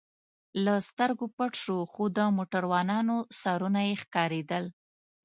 له سترګو پټ شو، خو د موټروانانو سرونه یې ښکارېدل.